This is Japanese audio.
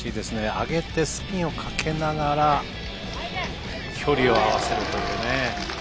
上げてスピンをかけながら距離を合わせるというね。